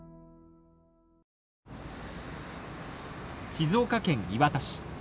静岡県磐田市。